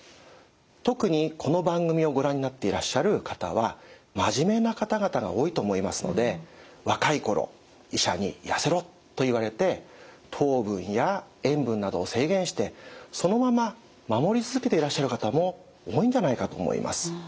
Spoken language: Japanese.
特にこの番組をご覧になっていらっしゃる方は真面目な方々が多いと思いますので若い頃医者に「やせろ」と言われて糖分や塩分などを制限してそのまま守り続けていらっしゃる方も多いんじゃないかと思います。